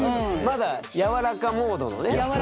まだ柔らかモードのね。